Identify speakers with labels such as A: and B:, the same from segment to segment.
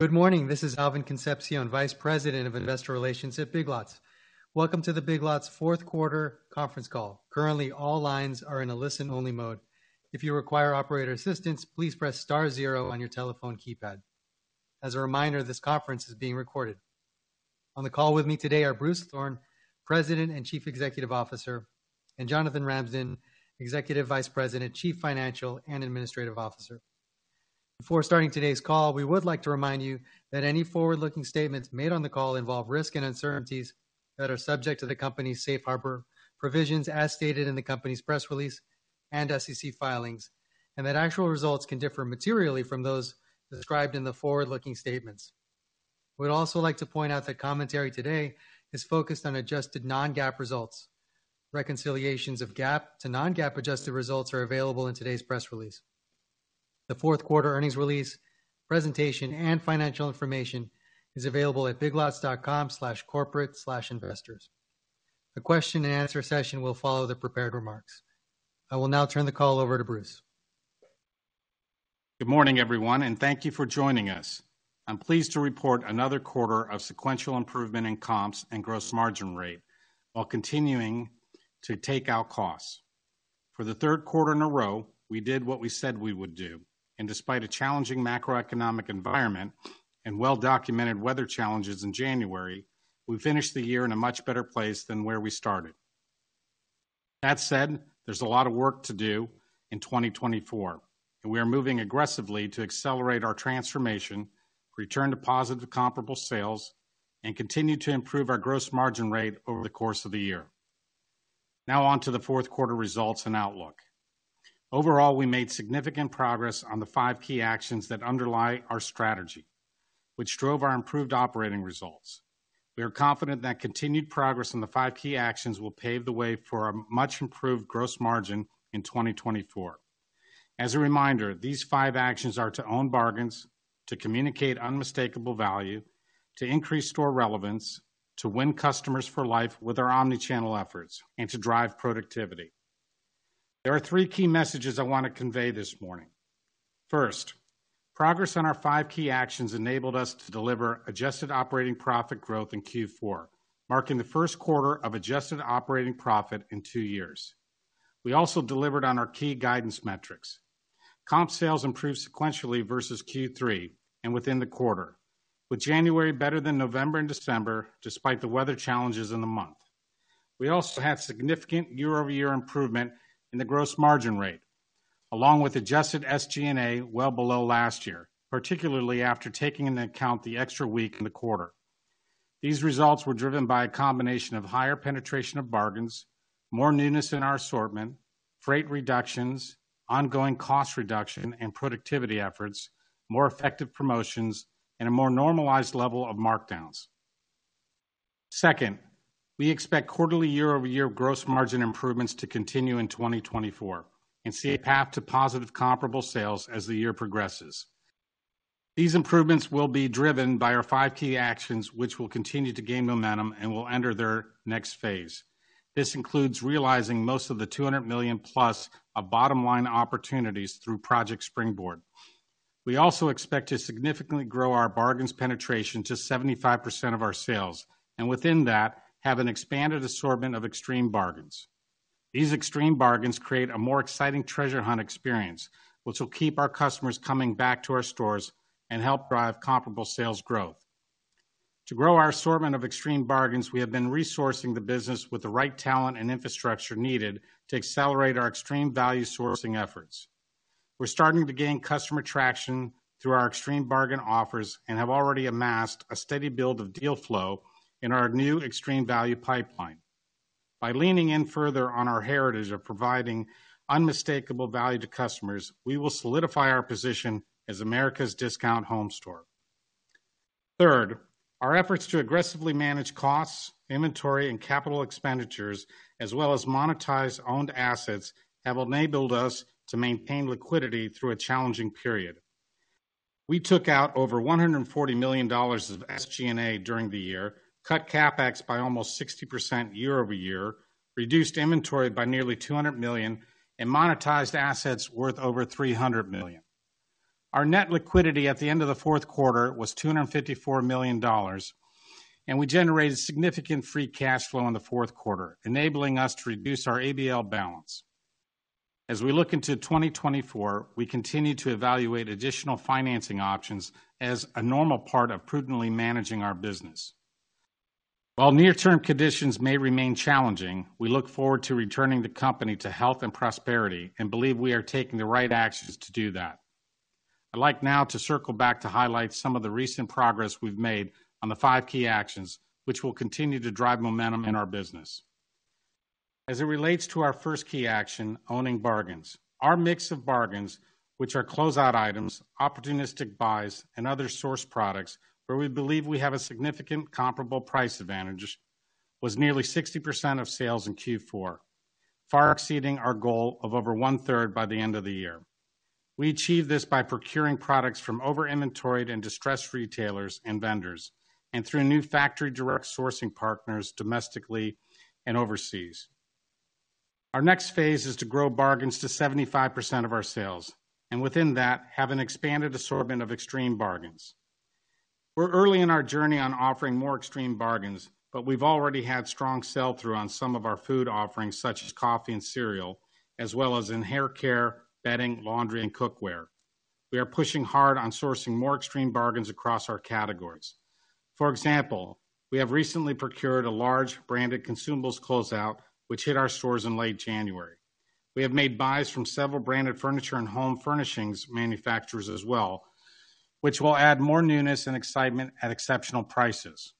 A: Good morning. This is Alvin Concepcion, Vice President of Investor Relations at Big Lots. Welcome to the Big Lots fourth quarter conference call. Currently, all lines are in a listen-only mode. If you require operator assistance, please press star zero on your telephone keypad. As a reminder, this conference is being recorded. On the call with me today are Bruce Thorn, President and Chief Executive Officer, and Jonathan Ramsden, Executive Vice President, Chief Financial and Administrative Officer. Before starting today's call, we would like to remind you that any forward-looking statements made on the call involve risks and uncertainties that are subject to the company's safe harbor provisions, as stated in the company's press release and SEC filings, and that actual results can differ materially from those described in the forward-looking statements. We'd also like to point out that commentary today is focused on adjusted non-GAAP results. Reconciliations of GAAP to non-GAAP adjusted results are available in today's press release. The fourth quarter earnings release, presentation, and financial information is available at biglots.com/corporate/investors. The question and answer session will follow the prepared remarks. I will now turn the call over to Bruce.
B: Good morning, everyone, and thank you for joining us. I'm pleased to report another quarter of sequential improvement in comps and gross margin rate, while continuing to take out costs. For the third quarter in a row, we did what we said we would do, and despite a challenging macroeconomic environment and well-documented weather challenges in January, we finished the year in a much better place than where we started. That said, there's a lot of work to do in 2024, and we are moving aggressively to accelerate our transformation, return to positive comparable sales, and continue to improve our gross margin rate over the course of the year. Now on to the fourth quarter results and outlook. Overall, we made significant progress on the five key actions that underlie our strategy, which drove our improved operating results. We are confident that continued progress in the five key actions will pave the way for a much-improved gross margin in 2024. As a reminder, these five actions are to own bargains, to communicate unmistakable value, to increase store relevance, to win customers for life with our omnichannel efforts, and to drive productivity. There are three key messages I want to convey this morning. First, progress on our five key actions enabled us to deliver adjusted operating profit growth in Q4, marking the first quarter of adjusted operating profit in two years. We also delivered on our key guidance metrics. Comp sales improved sequentially versus Q3 and within the quarter, with January better than November and December, despite the weather challenges in the month. We also had significant year-over-year improvement in the gross margin rate, along with adjusted SG&A well below last year, particularly after taking into account the extra week in the quarter. These results were driven by a combination of higher penetration of bargains, more newness in our assortment, freight reductions, ongoing cost reduction and productivity efforts, more effective promotions, and a more normalized level of markdowns. Second, we expect quarterly year-over-year gross margin improvements to continue in 2024 and see a path to positive comparable sales as the year progresses. These improvements will be driven by our five key actions, which will continue to gain momentum and will enter their next phase. This includes realizing most of the $200 million plus of bottom-line opportunities through Project Springboard. We also expect to significantly grow our bargains penetration to 75% of our sales, and within that, have an expanded assortment of extreme bargains. These extreme bargains create a more exciting treasure hunt experience, which will keep our customers coming back to our stores and help drive comparable sales growth. To grow our assortment of extreme bargains, we have been resourcing the business with the right talent and infrastructure needed to accelerate our extreme value sourcing efforts. We're starting to gain customer traction through our extreme bargain offers and have already amassed a steady build of deal flow in our new extreme value pipeline. By leaning in further on our heritage of providing unmistakable value to customers, we will solidify our position as America's discount home store. Third, our efforts to aggressively manage costs, inventory, and capital expenditures, as well as monetize owned assets, have enabled us to maintain liquidity through a challenging period. We took out over $140 million of SG&A during the year, cut CapEx by almost 60% year over year, reduced inventory by nearly $200 million, and monetized assets worth over $300 million. Our net liquidity at the end of the fourth quarter was $254 million, and we generated significant free cash flow in the fourth quarter, enabling us to reduce our ABL balance. As we look into 2024, we continue to evaluate additional financing options as a normal part of prudently managing our business. While near-term conditions may remain challenging, we look forward to returning the company to health and prosperity and believe we are taking the right actions to do that. I'd like now to circle back to highlight some of the recent progress we've made on the five key actions, which will continue to drive momentum in our business. As it relates to our first key action, owning bargains, our mix of bargains, which are closeout items, opportunistic buys, and other source products where we believe we have a significant comparable price advantage, was nearly 60% of sales in Q4, far exceeding our goal of over one-third by the end of the year. We achieved this by procuring products from over-inventoried and distressed retailers and vendors, and through new factory direct sourcing partners domestically and overseas.... Our next phase is to grow bargains to 75% of our sales, and within that, have an expanded assortment of extreme bargains. We're early in our journey on offering more extreme bargains, but we've already had strong sell-through on some of our food offerings, such as coffee and cereal, as well as in hair care, bedding, laundry, and cookware. We are pushing hard on sourcing more extreme bargains across our categories. For example, we have recently procured a large branded consumables closeout, which hit our stores in late January. We have made buys from several branded furniture and home furnishings manufacturers as well, which will add more newness and excitement at exceptional prices.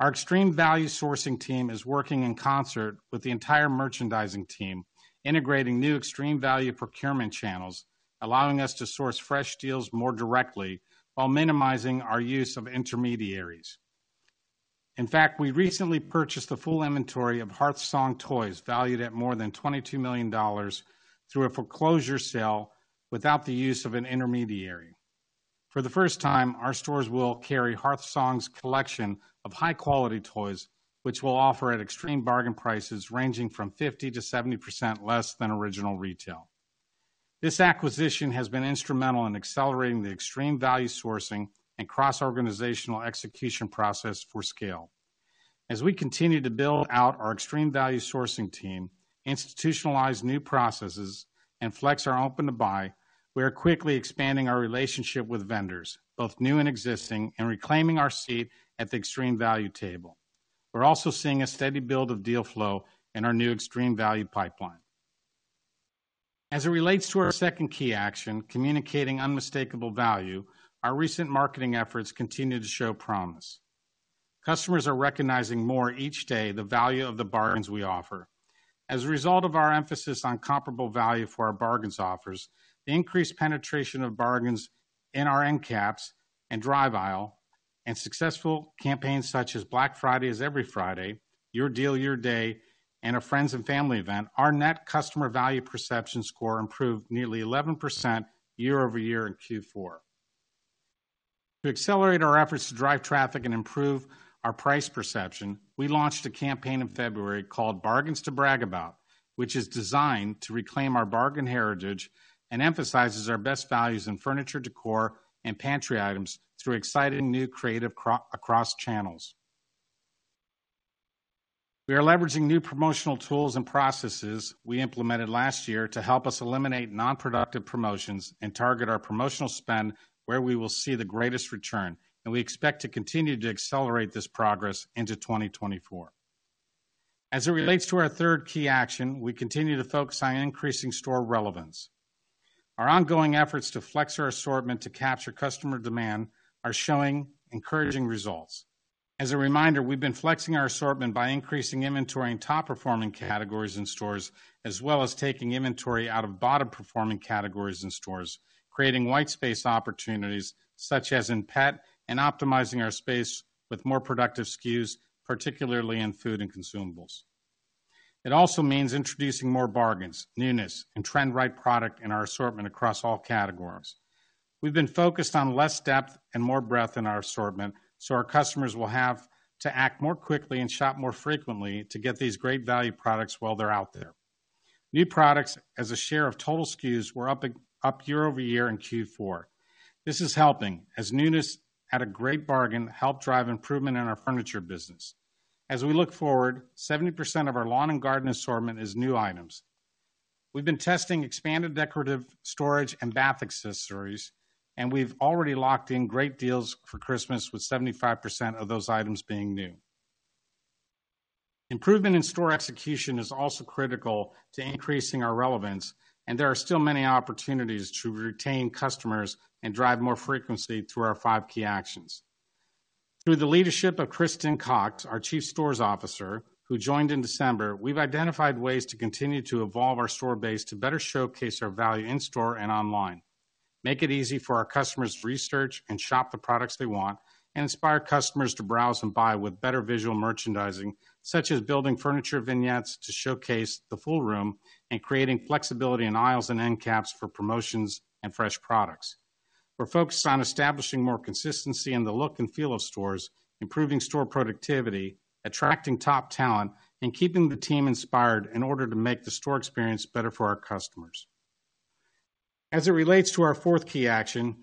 B: Our extreme value sourcing team is working in concert with the entire merchandising team, integrating new extreme value procurement channels, allowing us to source fresh deals more directly while minimizing our use of intermediaries. In fact, we recently purchased a full inventory of HearthSong Toys, valued at more than $22 million, through a foreclosure sale without the use of an intermediary. For the first time, our stores will carry HearthSong's collection of high-quality toys, which we'll offer at extreme bargain prices ranging from 50%-70% less than original retail. This acquisition has been instrumental in accelerating the extreme value sourcing and cross-organizational execution process for scale. As we continue to build out our extreme value sourcing team, institutionalize new processes, and flex our open-to-buy, we are quickly expanding our relationship with vendors, both new and existing, and reclaiming our seat at the extreme value table. We're also seeing a steady build of deal flow in our new extreme value pipeline. As it relates to our second key action, communicating unmistakable value, our recent marketing efforts continue to show promise. Customers are recognizing more each day the value of the bargains we offer. As a result of our emphasis on comparable value for our bargains offers, the increased penetration of bargains in our end caps and drive aisle, and successful campaigns such as Black Friday is Every Friday, Your Deal, Your Day, and a Friends and Family event, our net customer value perception score improved nearly 11% year-over-year in Q4. To accelerate our efforts to drive traffic and improve our price perception, we launched a campaign in February called Bargains to Brag About, which is designed to reclaim our bargain heritage and emphasizes our best values in furniture decor and pantry items through exciting new creative across channels. We are leveraging new promotional tools and processes we implemented last year to help us eliminate non-productive promotions and target our promotional spend where we will see the greatest return, and we expect to continue to accelerate this progress into 2024. As it relates to our third key action, we continue to focus on increasing store relevance. Our ongoing efforts to flex our assortment to capture customer demand are showing encouraging results. As a reminder, we've been flexing our assortment by increasing inventory in top-performing categories in stores, as well as taking inventory out of bottom-performing categories in stores, creating white space opportunities, such as in pet, and optimizing our space with more productive SKUs, particularly in food and consumables. It also means introducing more bargains, newness, and trend-right product in our assortment across all categories. We've been focused on less depth and more breadth in our assortment, so our customers will have to act more quickly and shop more frequently to get these great value products while they're out there. New products as a share of total SKUs were up, up year-over-year in Q4. This is helping, as newness at a great bargain helped drive improvement in our furniture business. As we look forward, 70% of our lawn and garden assortment is new items. We've been testing expanded decorative storage and bath accessories, and we've already locked in great deals for Christmas, with 75% of those items being new. Improvement in store execution is also critical to increasing our relevance, and there are still many opportunities to retain customers and drive more frequency through our five key actions. Through the leadership of Kristen Cox, our Chief Stores Officer, who joined in December, we've identified ways to continue to evolve our store base to better showcase our value in store and online, make it easy for our customers to research and shop the products they want, and inspire customers to browse and buy with better visual merchandising, such as building furniture vignettes to showcase the full room and creating flexibility in aisles and end caps for promotions and fresh products. We're focused on establishing more consistency in the look and feel of stores, improving store productivity, attracting top talent, and keeping the team inspired in order to make the store experience better for our customers. As it relates to our fourth key action,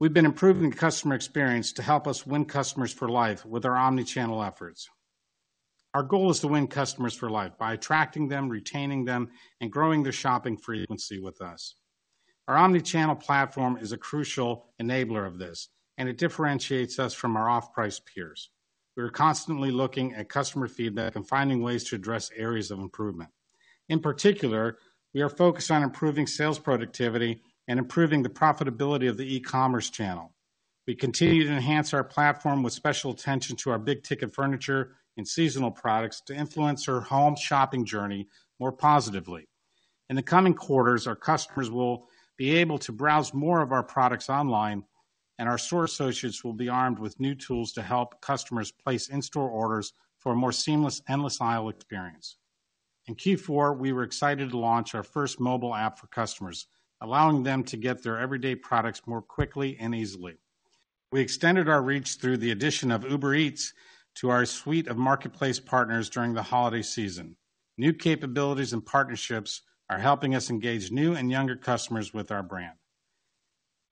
B: we've been improving the customer experience to help us win customers for life with our omnichannel efforts. Our goal is to win customers for life by attracting them, retaining them, and growing their shopping frequency with us. Our omnichannel platform is a crucial enabler of this, and it differentiates us from our off-price peers. We are constantly looking at customer feedback and finding ways to address areas of improvement. In particular, we are focused on improving sales productivity and improving the profitability of the e-commerce channel. We continue to enhance our platform with special attention to our big-ticket furniture and seasonal products to influence our home shopping journey more positively. In the coming quarters, our customers will be able to browse more of our products online, and our store associates will be armed with new tools to help customers place in-store orders for a more seamless, endless aisle experience. In Q4, we were excited to launch our first mobile app for customers, allowing them to get their everyday products more quickly and easily... We extended our reach through the addition of Uber Eats to our suite of marketplace partners during the holiday season. New capabilities and partnerships are helping us engage new and younger customers with our brand.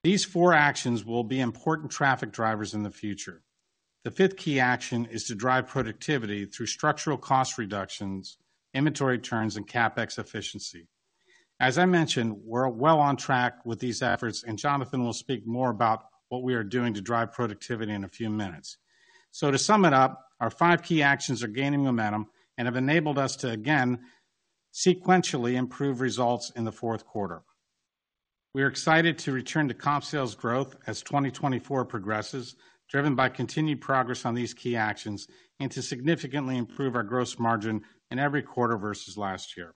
B: These four actions will be important traffic drivers in the future. The fifth key action is to drive productivity through structural cost reductions, inventory turns, and CapEx efficiency. As I mentioned, we're well on track with these efforts, and Jonathan will speak more about what we are doing to drive productivity in a few minutes. To sum it up, our five key actions are gaining momentum and have enabled us to, again, sequentially improve results in the fourth quarter. We are excited to return to comp sales growth as 2024 progresses, driven by continued progress on these key actions, and to significantly improve our gross margin in every quarter versus last year.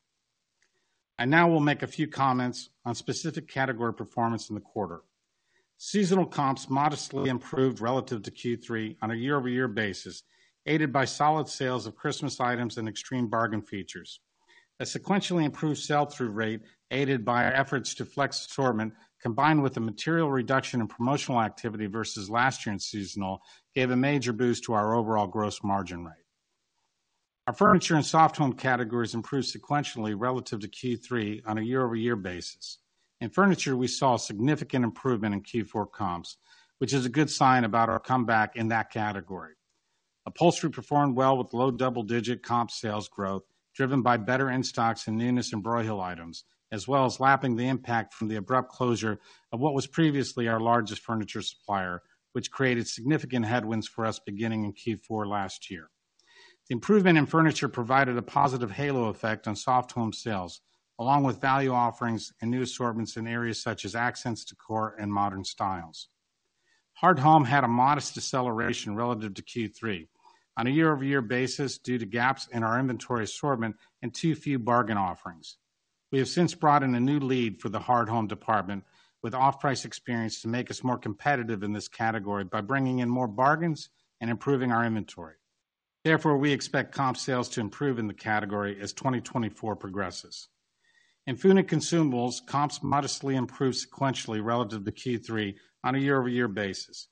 B: I now will make a few comments on specific category performance in the quarter. Seasonal comps modestly improved relative to Q3 on a year-over-year basis, aided by solid sales of Christmas items and extreme bargain features. A sequentially improved sell-through rate, aided by our efforts to flex assortment, combined with a material reduction in promotional activity versus last year in seasonal, gave a major boost to our overall gross margin rate. Our furniture and soft home categories improved sequentially relative to Q3 on a year-over-year basis. In furniture, we saw a significant improvement in Q4 comps, which is a good sign about our comeback in that category. Upholstery performed well with low double-digit comp sales growth, driven by better in-stocks and newness in Broyhill items, as well as lapping the impact from the abrupt closure of what was previously our largest furniture supplier, which created significant headwinds for us beginning in Q4 last year. Improvement in furniture provided a positive halo effect on soft home sales, along with value offerings and new assortments in areas such as accents, decor, and modern styles. Hard home had a modest deceleration relative to Q3 on a year-over-year basis due to gaps in our inventory assortment and too few bargain offerings. We have since brought in a new lead for the hard home department with off-price experience to make us more competitive in this category by bringing in more bargains and improving our inventory. Therefore, we expect comp sales to improve in the category as 2024 progresses. In food and consumables, comps modestly improved sequentially relative to Q3 on a year-over-year basis.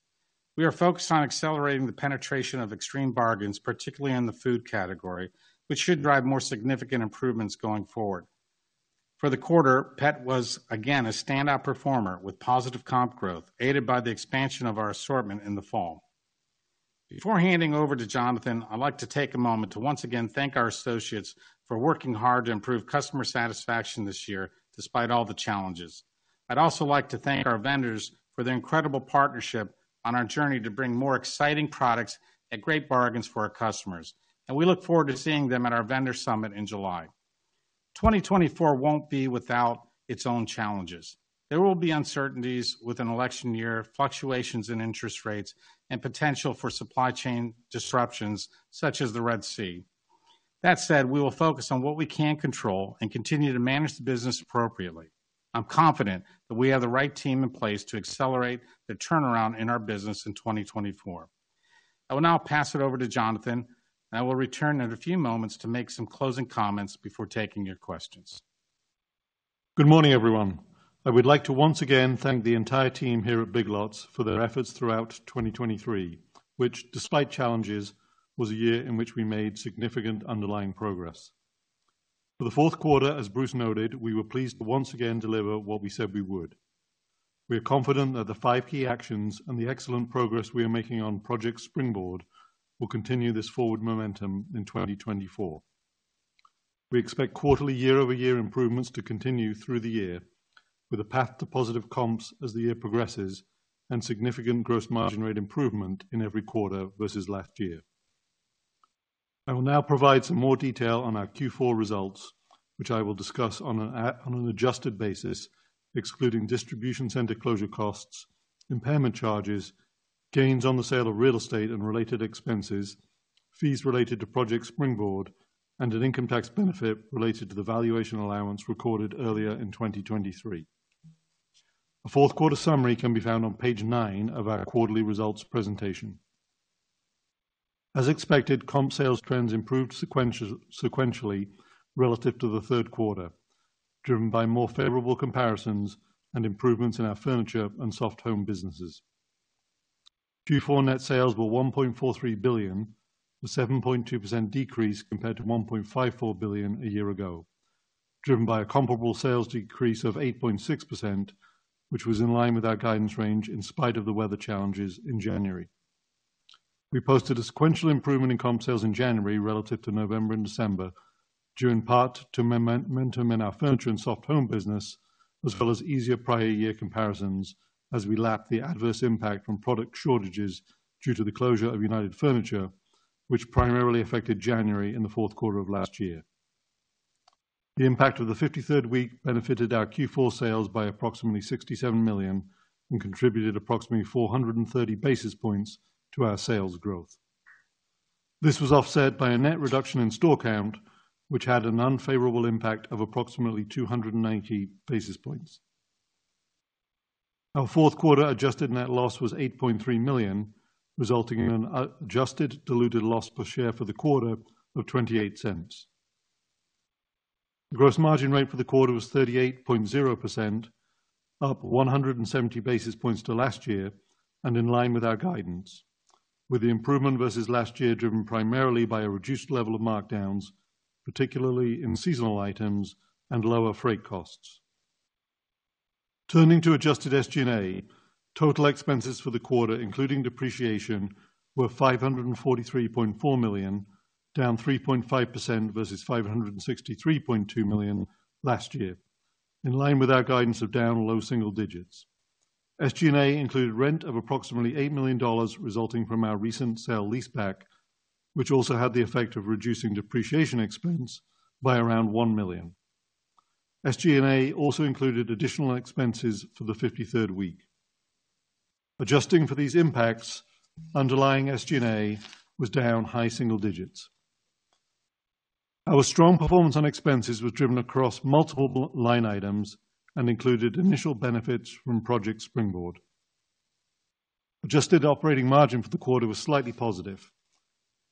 B: We are focused on accelerating the penetration of extreme bargains, particularly in the food category, which should drive more significant improvements going forward. For the quarter, Pet was, again, a standout performer with positive comp growth, aided by the expansion of our assortment in the fall. Before handing over to Jonathan, I'd like to take a moment to once again thank our associates for working hard to improve customer satisfaction this year, despite all the challenges. I'd also like to thank our vendors for their incredible partnership on our journey to bring more exciting products at great bargains for our customers, and we look forward to seeing them at our vendor summit in July. 2024 won't be without its own challenges. There will be uncertainties with an election year, fluctuations in interest rates, and potential for supply chain disruptions, such as the Red Sea. That said, we will focus on what we can control and continue to manage the business appropriately. I'm confident that we have the right team in place to accelerate the turnaround in our business in 2024. I will now pass it over to Jonathan, and I will return in a few moments to make some closing comments before taking your questions.
C: Good morning, everyone. I would like to once again thank the entire team here at Big Lots for their efforts throughout 2023, which, despite challenges, was a year in which we made significant underlying progress. For the fourth quarter, as Bruce noted, we were pleased to once again deliver what we said we would. We are confident that the five key actions and the excellent progress we are making on Project Springboard will continue this forward momentum in 2024. We expect quarterly year-over-year improvements to continue through the year, with a path to positive comps as the year progresses and significant gross margin rate improvement in every quarter versus last year. I will now provide some more detail on our Q4 results, which I will discuss on an adjusted basis, excluding distribution center closure costs, impairment charges, gains on the sale of real estate and related expenses, fees related to Project Springboard, and an income tax benefit related to the valuation allowance recorded earlier in 2023. A fourth quarter summary can be found on page 9 of our quarterly results presentation. As expected, comp sales trends improved sequentially relative to the third quarter, driven by more favorable comparisons and improvements in our furniture and soft home businesses. Q4 net sales were $1.43 billion, a 7.2% decrease compared to $1.54 billion a year ago, driven by a comparable sales decrease of 8.6%, which was in line with our guidance range in spite of the weather challenges in January. We posted a sequential improvement in comp sales in January relative to November and December, due in part to momentum in our furniture and soft home business, as well as easier prior year comparisons as we lapped the adverse impact from product shortages due to the closure of United Furniture, which primarily affected January in the fourth quarter of last year. The impact of the 53rd week benefited our Q4 sales by approximately $67 million and contributed approximately 430 basis points to our sales growth. This was offset by a net reduction in store count, which had an unfavorable impact of approximately 290 basis points. Our fourth quarter adjusted net loss was $8.3 million, resulting in an adjusted diluted loss per share for the quarter of $0.28. The gross margin rate for the quarter was 38.0%, up 170 basis points to last year and in line with our guidance, with the improvement versus last year driven primarily by a reduced level of markdowns, particularly in seasonal items and lower freight costs. Turning to adjusted SG&A, total expenses for the quarter, including depreciation, were $543.4 million, down 3.5% versus $563.2 million last year, in line with our guidance of down low single digits. SG&A included rent of approximately $8 million resulting from our recent sale-leaseback, which also had the effect of reducing depreciation expense by around $1 million. SG&A also included additional expenses for the 53rd week. Adjusting for these impacts, underlying SG&A was down high single digits. Our strong performance on expenses was driven across multiple line items and included initial benefits from Project Springboard. Adjusted operating margin for the quarter was slightly positive.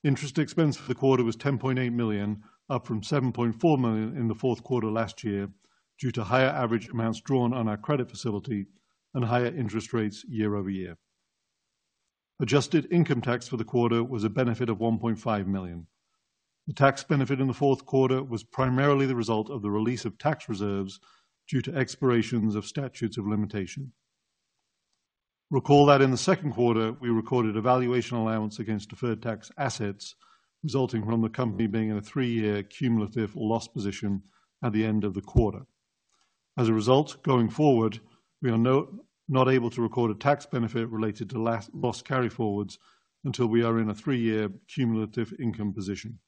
C: Interest expense for the quarter was $10.8 million, up from $7.4 million in the fourth quarter last year, due to higher average amounts drawn on our credit facility and higher interest rates year-over-year. Adjusted income tax for the quarter was a benefit of $1.5 million. The tax benefit in the fourth quarter was primarily the result of the release of tax reserves due to expirations of statutes of limitation. Recall that in the second quarter, we recorded a valuation allowance against deferred tax assets, resulting from the company being in a three-year cumulative loss position at the end of the quarter. As a result, going forward, we are not able to record a tax benefit related to net loss carryforwards until we are in a three-year cumulative income position.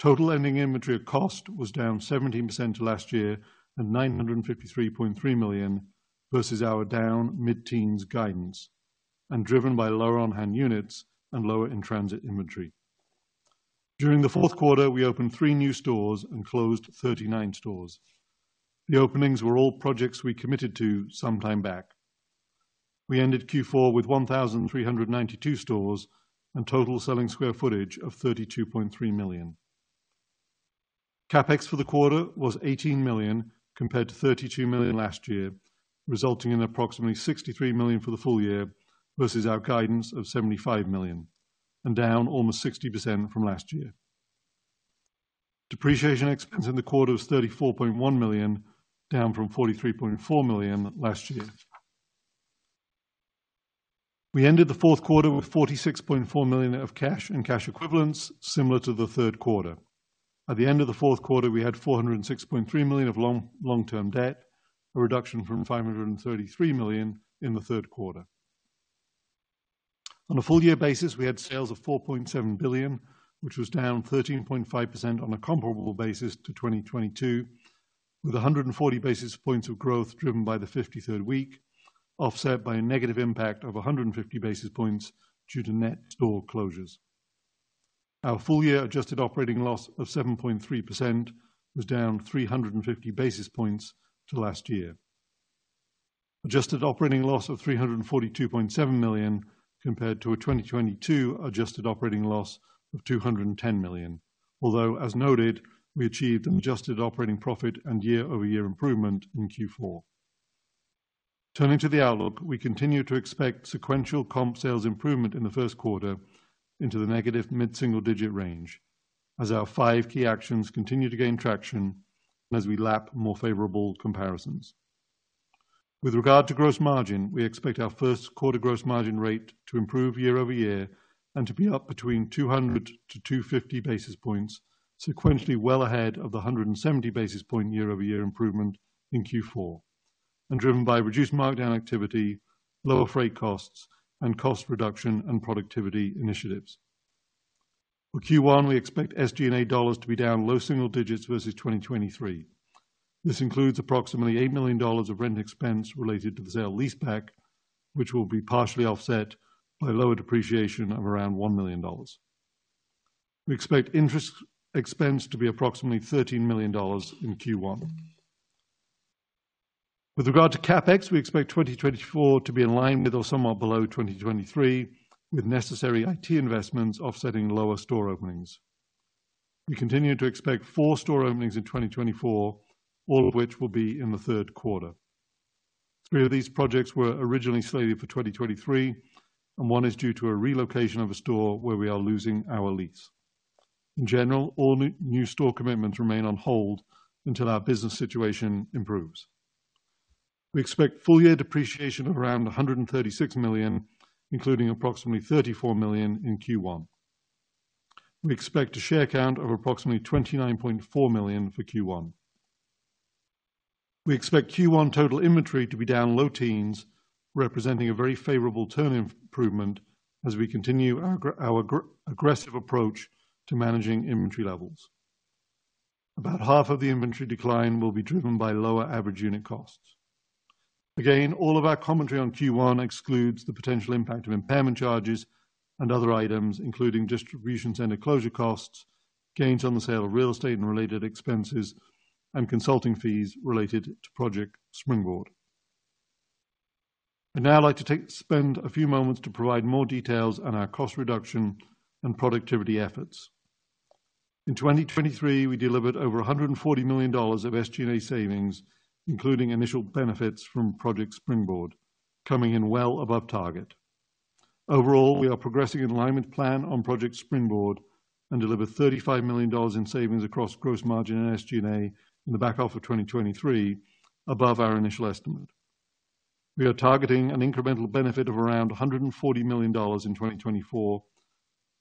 C: Total ending inventory at cost was down 17% to last year and $953.3 million versus our down mid-teens guidance and driven by lower on-hand units and lower in-transit inventory. During the fourth quarter, we opened 3 new stores and closed 39 stores. The openings were all projects we committed to some time back. We ended Q4 with 1,392 stores and total selling square footage of 32.3 million sq ft. CapEx for the quarter was $18 million, compared to $32 million last year, resulting in approximately $63 million for the full year versus our guidance of $75 million and down almost 60% from last year. Depreciation expense in the quarter was $34.1 million, down from $43.4 million last year. We ended the fourth quarter with $46.4 million of cash and cash equivalents, similar to the third quarter. At the end of the fourth quarter, we had $406.3 million of long-term debt, a reduction from $533 million in the third quarter. On a full-year basis, we had sales of $4.7 billion, which was down 13.5% on a comparable basis to 2022, with 140 basis points of growth driven by the 53rd week, offset by a negative impact of 150 basis points due to net store closures. Our full-year adjusted operating loss of 7.3% was down 350 basis points to last year. Adjusted operating loss of $342.7 million, compared to a 2022 adjusted operating loss of $210 million. Although, as noted, we achieved an adjusted operating profit and year-over-year improvement in Q4. Turning to the outlook, we continue to expect sequential comp sales improvement in the first quarter into the negative mid-single-digit range, as our five key actions continue to gain traction and as we lap more favorable comparisons. With regard to gross margin, we expect our first quarter gross margin rate to improve year-over-year and to be up between 200-250 basis points, sequentially well ahead of the 170 basis point year-over-year improvement in Q4, and driven by reduced markdown activity, lower freight costs, and cost reduction and productivity initiatives. For Q1, we expect SG&A dollars to be down low single digits versus 2023. This includes approximately $8 million of rent expense related to the sale leaseback, which will be partially offset by lower depreciation of around $1 million. We expect interest expense to be approximately $13 million in Q1. With regard to CapEx, we expect 2024 to be in line with or somewhat below 2023, with necessary IT investments offsetting lower store openings. We continue to expect 4 store openings in 2024, all of which will be in the third quarter. 3 of these projects were originally slated for 2023, and 1 is due to a relocation of a store where we are losing our lease. In general, all new store commitments remain on hold until our business situation improves. We expect full year depreciation of around $136 million, including approximately $34 million in Q1. We expect a share count of approximately 29.4 million for Q1. We expect Q1 total inventory to be down low teens, representing a very favorable turn improvement as we continue our aggressive approach to managing inventory levels. About half of the inventory decline will be driven by lower average unit costs. Again, all of our commentary on Q1 excludes the potential impact of impairment charges and other items, including distribution center closure costs, gains on the sale of real estate and related expenses, and consulting fees related to Project Springboard. I'd now like to spend a few moments to provide more details on our cost reduction and productivity efforts. In 2023, we delivered over $140 million of SG&A savings, including initial benefits from Project Springboard, coming in well above target. Overall, we are progressing in alignment plan on Project Springboard, and deliver $35 million in savings across gross margin and SG&A in the back half of 2023, above our initial estimate. We are targeting an incremental benefit of around $140 million in 2024,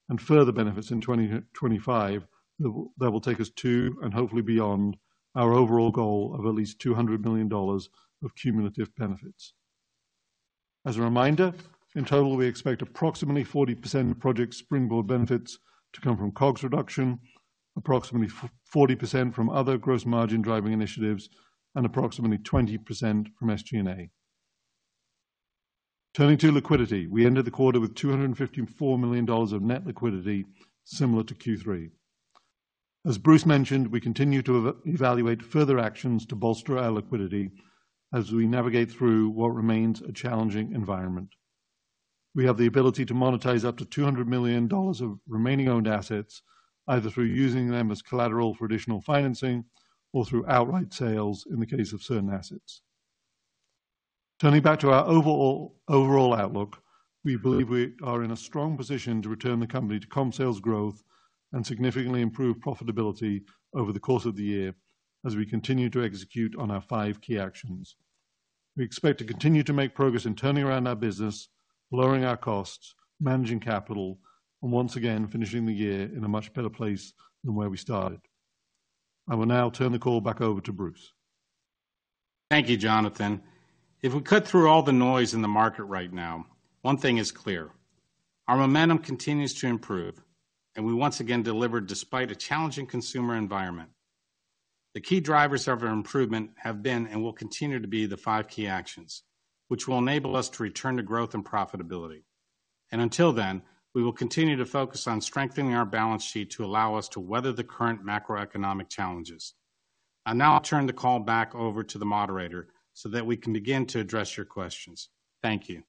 C: and further benefits in 2025, that will take us to, and hopefully beyond, our overall goal of at least $200 million of cumulative benefits. As a reminder, in total, we expect approximately 40% of Project Springboard benefits to come from COGS reduction, approximately 40% from other gross margin driving initiatives, and approximately 20% from SG&A. Turning to liquidity. We ended the quarter with $254 million of net liquidity, similar to Q3. As Bruce mentioned, we continue to evaluate further actions to bolster our liquidity as we navigate through what remains a challenging environment. We have the ability to monetize up to $200 million of remaining owned assets, either through using them as collateral for additional financing or through outright sales in the case of certain assets. Turning back to our overall, overall outlook, we believe we are in a strong position to return the company to comp sales growth and significantly improve profitability over the course of the year as we continue to execute on our five key actions. We expect to continue to make progress in turning around our business, lowering our costs, managing capital, and once again, finishing the year in a much better place than where we started. I will now turn the call back over to Bruce.
B: Thank you, Jonathan. If we cut through all the noise in the market right now, one thing is clear: our momentum continues to improve, and we once again delivered despite a challenging consumer environment. The key drivers of our improvement have been, and will continue to be, the five key actions, which will enable us to return to growth and profitability. Until then, we will continue to focus on strengthening our balance sheet to allow us to weather the current macroeconomic challenges. I'll now turn the call back over to the moderator so that we can begin to address your questions. Thank you.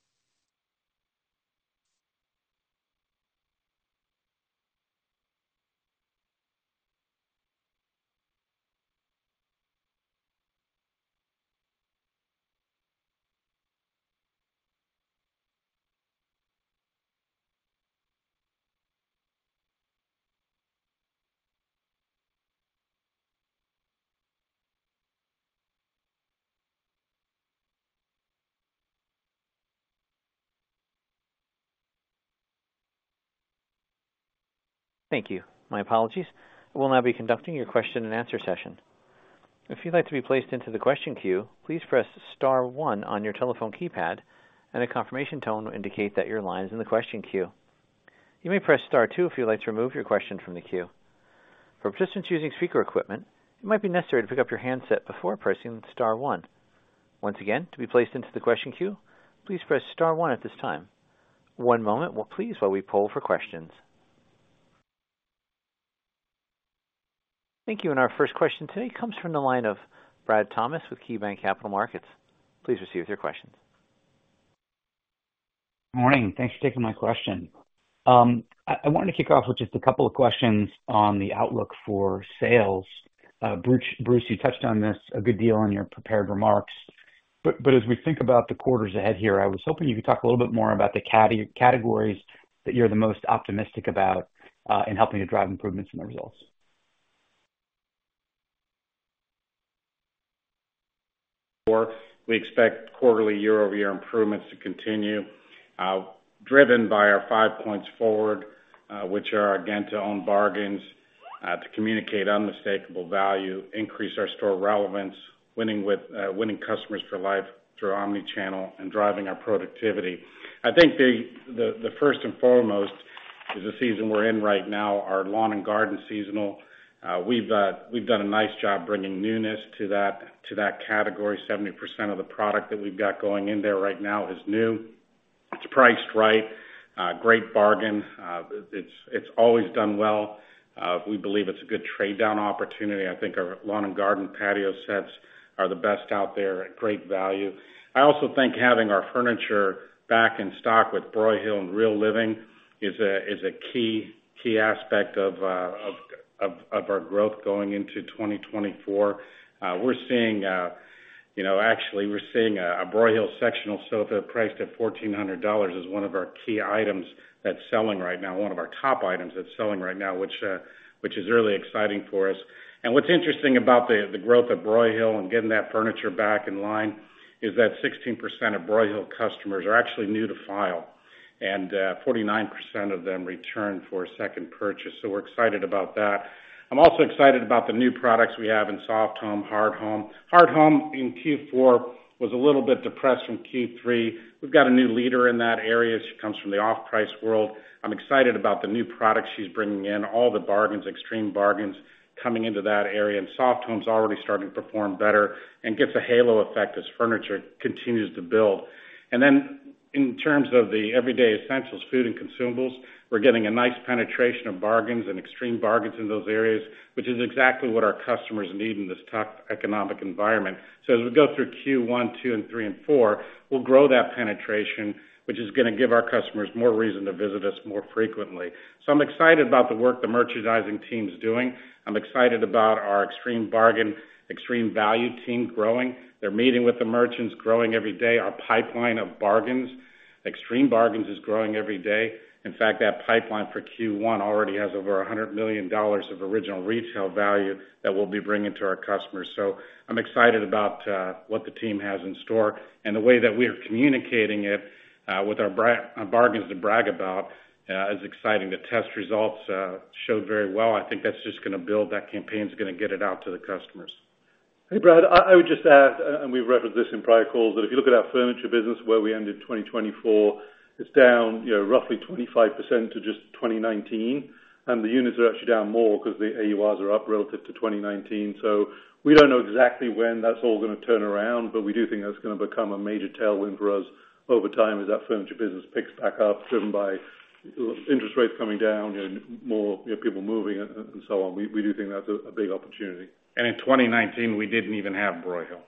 D: Thank you. My apologies. We'll now be conducting your question and answer session. If you'd like to be placed into the question queue, please press star one on your telephone keypad, and a confirmation tone will indicate that your line is in the question queue. You may press star two if you'd like to remove your question from the queue. For participants using speaker equipment, it might be necessary to pick up your handset before pressing star one. Once again, to be placed into the question queue, please press star one at this time. One moment, please, while we poll for questions. Thank you. And our first question today comes from the line of Brad Thomas with KeyBanc Capital Markets. Please proceed with your questions.
E: Morning. Thanks for taking my question. I wanted to kick off with just a couple of questions on the outlook for sales. Bruce, Bruce, you touched on this a good deal in your prepared remarks, but, but as we think about the quarters ahead here, I was hoping you could talk a little bit more about the categories that you're the most optimistic about, in helping to drive improvements in the results.
B: We expect quarterly year-over-year improvements to continue, driven by our five points forward, which are, again, to own bargains, to communicate unmistakable value, increase our store relevance, winning customers for life through omni-channel and driving our productivity. I think the first and foremost is the season we're in right now, our lawn and garden seasonal. We've done a nice job bringing newness to that category. 70% of the product that we've got going in there right now is new. It's priced right, great bargain. It's always done well. We believe it's a good trade-down opportunity. I think our lawn and garden patio sets are the best out there at great value. I also think having our furniture back in stock with Broyhill and Real Living is a key aspect of our growth going into 2024. We're seeing, you know, actually, we're seeing a Broyhill sectional sofa priced at $1,400 is one of our key items that's selling right now, one of our top items that's selling right now, which is really exciting for us. And what's interesting about the growth of Broyhill and getting that furniture back in line is that 16% of Broyhill customers are actually new to Big Lots, and 49% of them return for a second purchase. So we're excited about that. I'm also excited about the new products we have in Soft Home, Hard Home. Hard Home, in Q4, was a little bit depressed from Q3. We've got a new leader in that area. She comes from the off-price world. I'm excited about the new products she's bringing in. All the bargains, extreme bargains, coming into that area, and Soft Home's already starting to perform better and gets a halo effect as furniture continues to build. In terms of the everyday essentials, food and consumables, we're getting a nice penetration of bargains and extreme bargains in those areas, which is exactly what our customers need in this tough economic environment. So as we go through Q1, 2, and 3, and 4, we'll grow that penetration, which is gonna give our customers more reason to visit us more frequently. So I'm excited about the work the merchandising team is doing. I'm excited about our extreme bargain, extreme value team growing. They're meeting with the merchants, growing every day. Our pipeline of bargains, extreme bargains, is growing every day. In fact, that pipeline for Q1 already has over $100 million of original retail value that we'll be bringing to our customers. So I'm excited about what the team has in store and the way that we are communicating it with our bargains to brag about is exciting. The test results showed very well. I think that's just gonna build, that campaign's gonna get it out to the customers.
C: Hey, Brad, I would just add, and we've referenced this in prior calls, that if you look at our furniture business where we ended 2024, it's down, you know, roughly 25% to just 2019, and the units are actually down more because the AURs are up relative to 2019. So we don't know exactly when that's all gonna turn around, but we do think that's gonna become a major tailwind for us over time as that furniture business picks back up, driven by interest rates coming down, you know, more, you know, people moving and so on. We do think that's a big opportunity.
B: In 2019, we didn't even have Broyhill.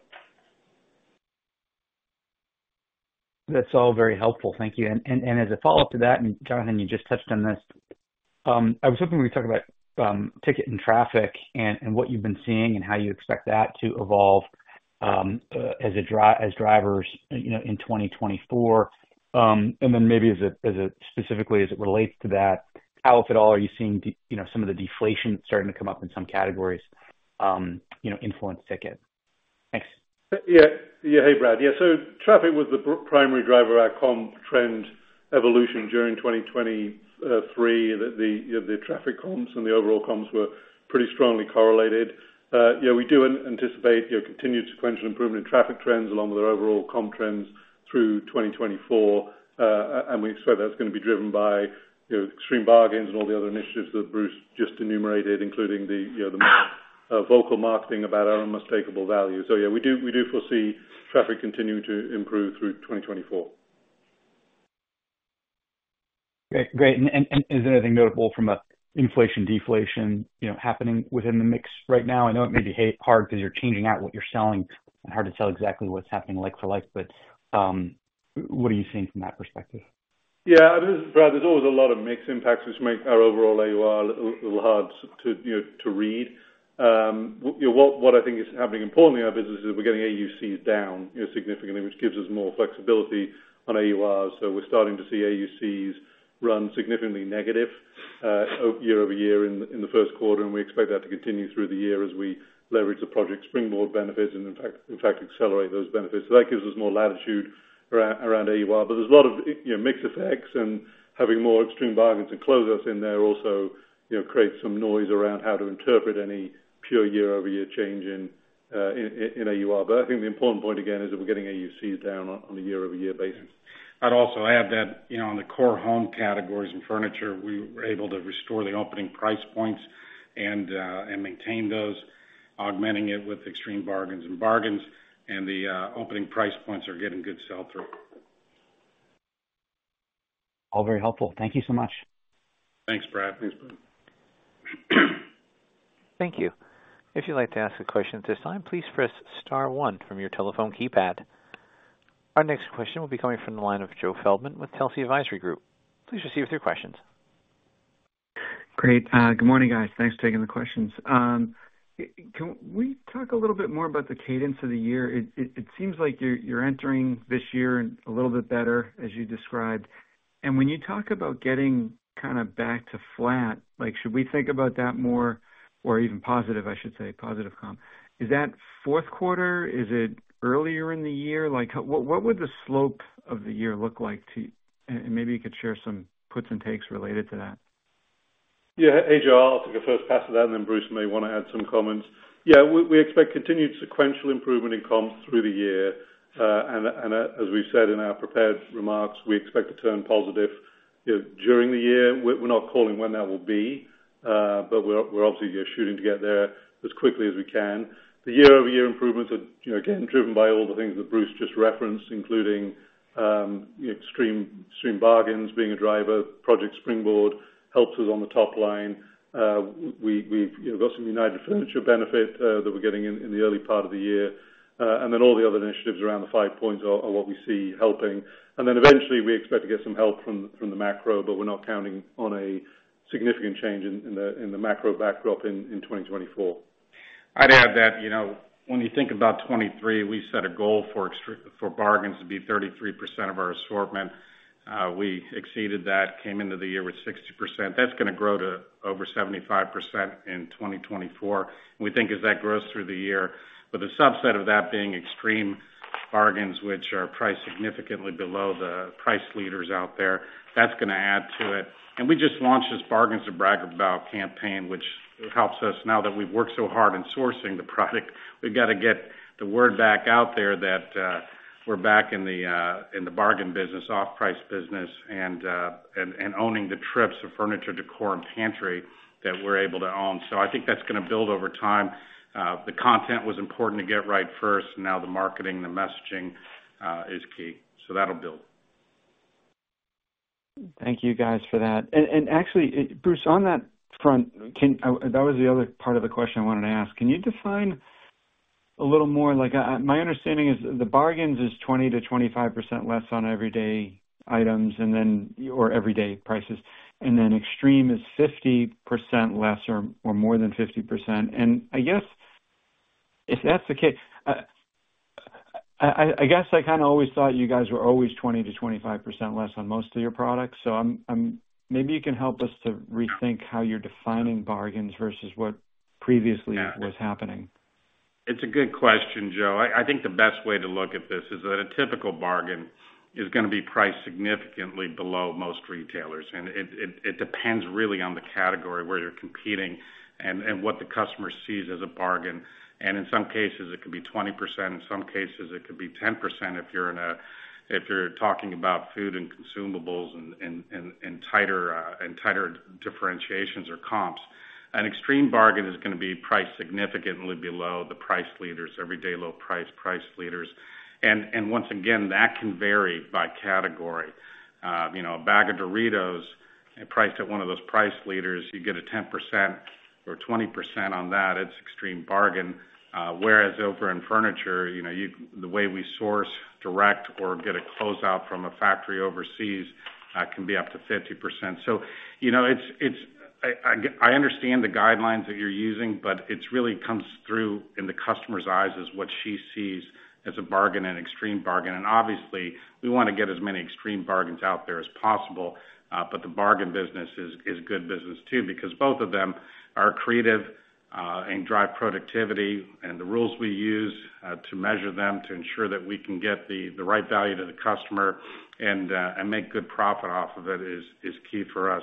E: That's all very helpful. Thank you. And as a follow-up to that, and Jonathan, you just touched on this. I was hoping we'd talk about ticket and traffic and what you've been seeing and how you expect that to evolve as drivers, you know, in 2024. And then maybe as it specifically as it relates to that, how, if at all, are you seeing the, you know, some of the deflation starting to come up in some categories, you know, influence ticket? Thanks.
C: Yeah. Yeah. Hey, Brad. Yeah, so traffic was the primary driver of our comp trend evolution during 2023. You know, the traffic comps and the overall comps were pretty strongly correlated. Yeah, we do anticipate, you know, continued sequential improvement in traffic trends along with our overall comp trends through 2024. And we expect that's gonna be driven by, you know, extreme bargains and all the other initiatives that Bruce just enumerated, including the, you know, the vocal marketing about our unmistakable value. So yeah, we do, we do foresee traffic continuing to improve through 2024.
E: Okay, great. And is there anything notable from a inflation, deflation, you know, happening within the mix right now? I know it may be hard because you're changing out what you're selling and hard to tell exactly what's happening, like for like, but what are you seeing from that perspective?
C: Yeah, Brad, there's always a lot of mix impacts which make our overall AUR a little hard to, you know, to read. You know, what I think is happening importantly in our business is we're getting AUC down, you know, significantly, which gives us more flexibility on AUR. So we're starting to see AUCs run significantly negative year-over-year in the first quarter, and we expect that to continue through the year as we leverage the Project Springboard benefits and in fact accelerate those benefits. So that gives us more latitude around AUR. But there's a lot of, you know, mix effects and having more extreme bargains to closeouts in there also, you know, creates some noise around how to interpret any pure year-over-year change in AUR. I think the important point again is that we're getting AUCs down on a year-over-year basis.
B: I'd also add that, you know, on the core home categories and furniture, we were able to restore the opening price points and and maintain those, augmenting it with extreme bargains and bargains, and the opening price points are getting good sell-through.
E: All very helpful. Thank you so much.
B: Thanks, Brad.
C: Thanks, Brad.
D: Thank you. If you'd like to ask a question at this time, please press star one from your telephone keypad. Our next question will be coming from the line of Joe Feldman with Telsey Advisory Group. Please proceed with your questions.
F: Great, good morning, guys. Thanks for taking the questions. Can we talk a little bit more about the cadence of the year? It seems like you're entering this year a little bit better, as you described. And when you talk about getting kind of back to flat, like, should we think about that more or even positive, I should say, positive comp? Is that fourth quarter? Is it earlier in the year? Like, what would the slope of the year look like to... And maybe you could share some puts and takes related to that.
C: Yeah. Hey, Joe, I'll take a first pass at that, and then Bruce may want to add some comments. Yeah, we expect continued sequential improvement in comps through the year. And as we've said in our prepared remarks, we expect to turn positive, you know, during the year. We're not calling when that will be, but we're obviously shooting to get there as quickly as we can. The year-over-year improvements are, you know, again, driven by all the things that Bruce just referenced, including, you know, extreme bargains being a driver. Project Springboard helps us on the top line. We've, you know, got some United Furniture benefit that we're getting in the early part of the year, and then all the other initiatives around the five points are what we see helping. And then eventually we expect to get some help from the macro, but we're not counting on a significant change in the macro backdrop in 2024.
B: I'd add that, you know, when you think about 2023, we set a goal for bargains to be 33% of our assortment. We exceeded that, came into the year with 60%. That's gonna grow to over 75% in 2024. We think as that grows through the year, but the subset of that being extreme bargains, which are priced significantly below the price leaders out there, that's gonna add to it. And we just launched this Bargains to Brag About campaign, which helps us now that we've worked so hard in sourcing the product, we've got to get the word back out there that we're back in the bargain business, off-price business, and owning the trips of furniture, decor, and pantry that we're able to own. So I think that's gonna build over time. The content was important to get right first, now the marketing, the messaging, is key. So that'll build....
F: Thank you guys for that. And actually, Bruce, on that front, that was the other part of the question I wanted to ask: Can you define a little more, like, my understanding is the bargains is 20%-25% less on everyday items and then or everyday prices, and then extreme is 50% less or more than 50%. And I guess if that's the case, I guess I kind of always thought you guys were always 20%-25% less on most of your products. So I'm maybe you can help us to rethink how you're defining bargains versus what previously was happening.
B: It's a good question, Joe. I think the best way to look at this is that a typical bargain is gonna be priced significantly below most retailers, and it depends really on the category where you're competing and what the customer sees as a bargain. And in some cases, it could be 20%, in some cases it could be 10% if you're in a—if you're talking about food and consumables and tighter differentiations or comps. An extreme bargain is gonna be priced significantly below the price leaders, everyday low price, price leaders. And once again, that can vary by category. You know, a bag of Doritos priced at one of those price leaders, you get a 10% or 20% on that, it's extreme bargain. Whereas over in furniture, you know, the way we source direct or get a closeout from a factory overseas can be up to 50%. So you know, I understand the guidelines that you're using, but it's really comes through in the customer's eyes as what she sees as a bargain and extreme bargain. And obviously, we wanna get as many extreme bargains out there as possible, but the bargain business is good business, too. Because both of them are creative and drive productivity, and the rules we use to measure them, to ensure that we can get the right value to the customer and make good profit off of it is key for us.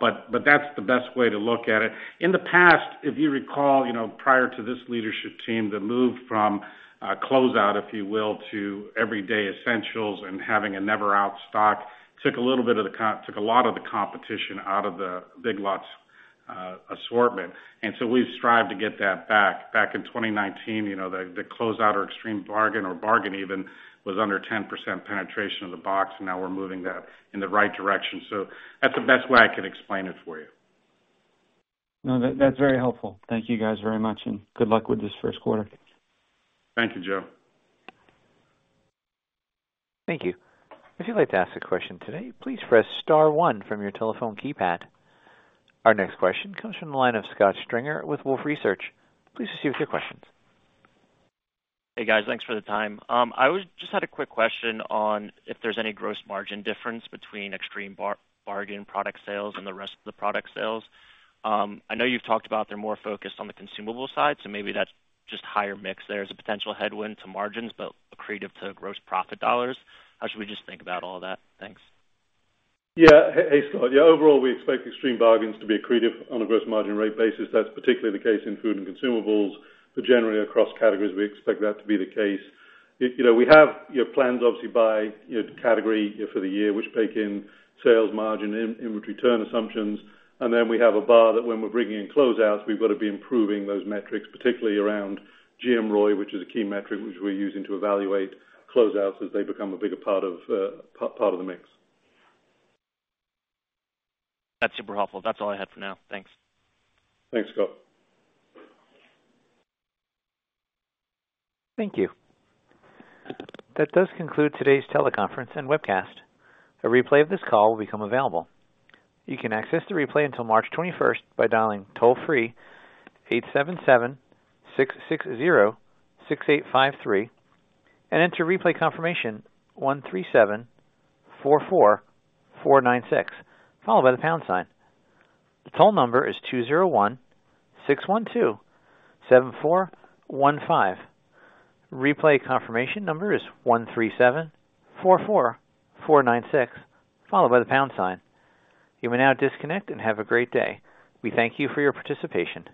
B: But that's the best way to look at it. In the past, if you recall, you know, prior to this leadership team, the move from closeout, if you will, to everyday essentials and having a never out stock, took a little bit of the comp-- took a lot of the competition out of the Big Lots assortment, and so we've strived to get that back. Back in 2019, you know, the closeout or extreme bargain or bargain even was under 10% penetration of the box, and now we're moving that in the right direction. So that's the best way I can explain it for you.
F: No, that's very helpful. Thank you, guys, very much, and good luck with this first quarter.
B: Thank you, Joe.
D: Thank you. If you'd like to ask a question today, please press star one from your telephone keypad. Our next question comes from the line of Scott Stringer with Wolfe Research. Please proceed with your questions.
G: Hey, guys. Thanks for the time. I just had a quick question on if there's any gross margin difference between extreme bargain product sales and the rest of the product sales. I know you've talked about they're more focused on the consumable side, so maybe that's just higher mix. There's a potential headwind to margins, but accretive to gross profit dollars. How should we just think about all that? Thanks.
C: Yeah. Hey, Scott. Yeah, overall, we expect extreme bargains to be accretive on a gross margin rate basis. That's particularly the case in food and consumables, but generally across categories, we expect that to be the case. You know, we have, you know, plans obviously by, you know, category for the year, which bake in sales margin, inventory turn assumptions. And then we have a bar that when we're bringing in closeouts, we've got to be improving those metrics, particularly around GMROI, which is a key metric which we're using to evaluate closeouts as they become a bigger part of the mix.
G: That's super helpful. That's all I had for now. Thanks.
C: Thanks, Scott.
D: Thank you. That does conclude today's teleconference and webcast. A replay of this call will become available. You can access the replay until March 21st by dialing toll-free 877-660-6853 and enter replay confirmation 13744496, followed by the pound sign. The toll number is 201-612-7415. Replay confirmation number is 13744496, followed by the pound sign. You may now disconnect and have a great day. We thank you for your participation.